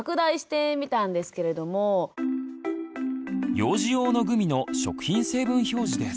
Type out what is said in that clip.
幼児用のグミの食品成分表示です。